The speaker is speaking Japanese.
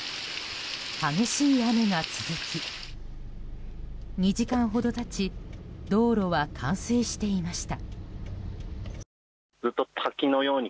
激しい雨が続き２時間ほど経ち道路は冠水していました。